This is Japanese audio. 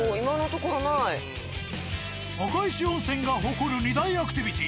赤石温泉が誇る２大アクティビティ。